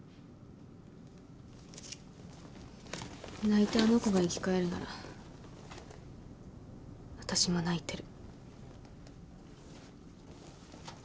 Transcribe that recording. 泣いてあの子が生き返るなら私も泣いてる。